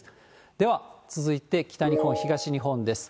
では、続いて北日本、東日本です。